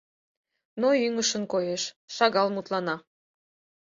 Но ӱҥышын коеш, шагал мутлана.